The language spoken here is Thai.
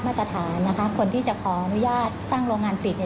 แล้วหลังจากนี้จะทำในการยังไงต่อครับ